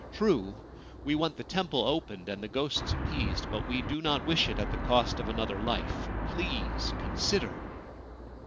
True, we want the temple opened and the ghosts appeased ; but we do not wish it at the cost of another life. Please consider